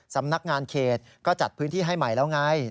สำนักงานเขตก็จัดพื้นที่ให้ใหม่แล้วไง